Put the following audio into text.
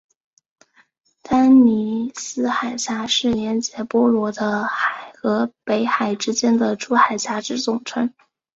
丹尼斯海峡是连结波罗的海和北海之间的诸海峡之总称。